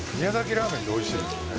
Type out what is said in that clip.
ラーメンっておいしいですよね。